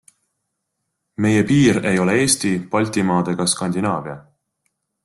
Meie piir ei ole Eesti, Baltimaad ega Skandinaavia.